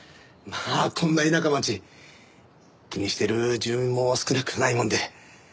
まあこんな田舎町気にしてる住民も少なくないもんで。